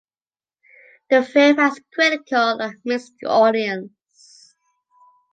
The film has a critical and mixed audience.